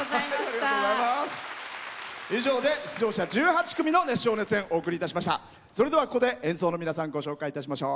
以上で出場者１８組の熱唱・熱演お送りいたしました。